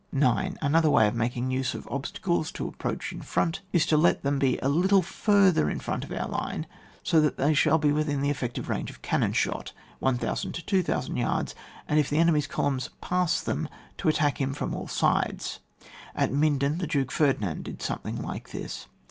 9. Another way of making use of obstacles to approach in frt)nt, is to let them be a litue further in front of our line, so that they shall be within the effective range of cannon shot (1,000 to 2,000 yards), and if the enemy's columns pass them then, to attack him from all sides. (At Minden, the Duke Ferdinand did something like this.)